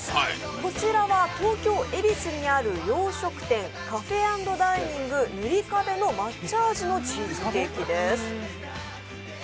こちらは東京・恵比寿にある洋食店カフェ＆ダイニングヌリカベの抹茶味のチーズケーキです。